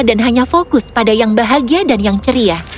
dan hanya fokus pada yang bahagia dan yang ceria